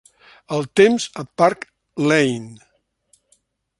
El temps a Park Layne